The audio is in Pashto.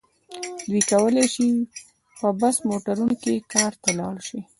دوی کولای شي په بس موټرونو کې کار ته لاړ شي.